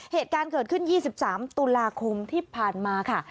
เหตุการณ์เกิดขึ้น๒๓ตุลาคมที่ผ่านมาค่ะ